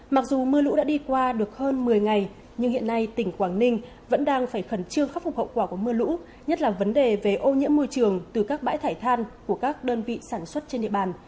mặc dù mưa lũ đã đi qua được hơn một mươi ngày nhưng hiện nay tỉnh quảng ninh vẫn đang phải khẩn trương khắc phục hậu quả của mưa lũ nhất là vấn đề về ô nhiễm môi trường từ các bãi thải than của các đơn vị sản xuất trên địa bàn